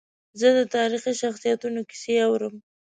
زه د تاریخي شخصیتونو کیسې اورم.